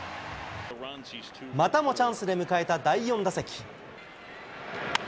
またもチャンスで迎えた第４打席。